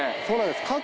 そうなんです